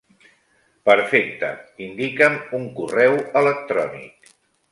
Perfecte. Indica'm un correu electrònic.